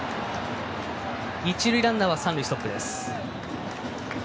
一塁ランナーは三塁ストップです。